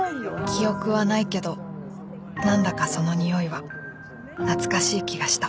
記憶はないけど何だかそのにおいは懐かしい気がした。